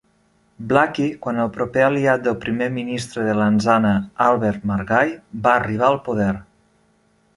Blackie quan el proper aliat del primer ministre de Lansana, Albert Margai, va arribar a el poder.